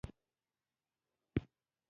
په هر یو امبولانس کې دوه دوه نفره ول.